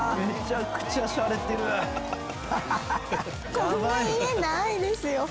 こんな家ないですよ。